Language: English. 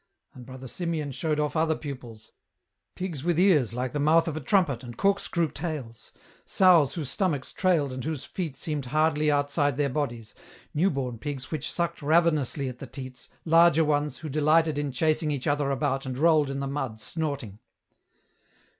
And Brother Simeon showed off other pupils, pigs with ears like the mouth of a trumpet and corkscrew tails, sows whose stomachs trailed and whose feet seemed hardly out side their bodies, new born pigs which sucked ravenously at the teats, larger ones, who delighted in chasing each other about and rolled in the mud, snorting.